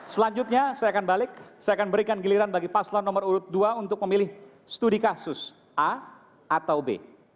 selanjutnya saya akan balik saya akan berikan giliran bagi paslon nomor urut dua untuk memilih studi kasus a atau b